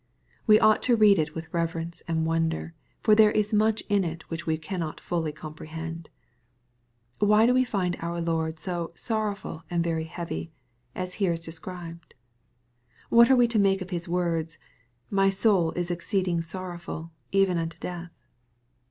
We ought to read it with reverence and wonder, for there is much in it which we cannot fully comprehend. Why do we find our Lord so " sorrowful and very heavy," as he is here described ? What are we to make of His words, "my soul is exceeding sorrowful, even unto death